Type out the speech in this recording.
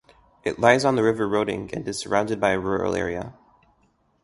It lies on the River Roding and is surrounded by a rural area.